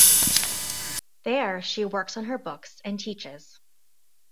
There she works on her books and teaches.